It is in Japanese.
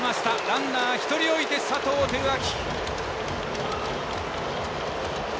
ランナー１人置いて、佐藤輝明。